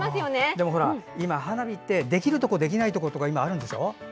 でも、花火ってできるところとできないところが今あるんでしょ。